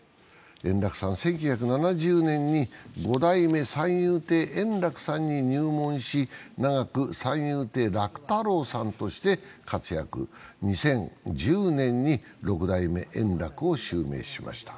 円楽さん、１９７０年に五代目三遊亭円楽さんに入門し、長く三遊亭楽太郎さんとして活躍、２０１０年に六代目円楽を襲名しました。